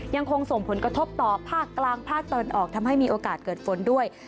ยังคงส่งผลกระทบต่อภาคกลางภาคตะวันออกทำให้มีโอกาสเกิดฝนด้วย